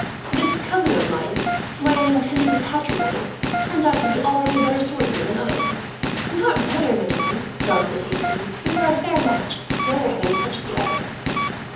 "This cousin of mine, whom I had intended to patronize, turns out to be already a better swordsman than I am." "Not better, madame," Philip said hastily. "We were a fair match, neither having touched the other."